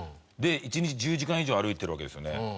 １日１０時間以上歩いてるわけですよね。